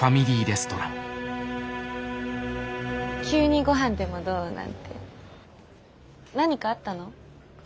急に「ごはんでもどう？」なんて何かあったの？